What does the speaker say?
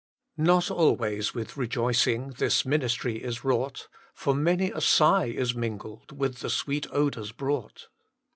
Not always with rejoicing This ministry is wrought, For many a sigh is mingled With the sweet odours brought.